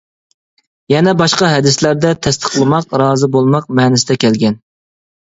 يەنە باشقا ھەدىسلەردە تەستىقلىماق، رازى بولماق مەنىسىدە كەلگەن.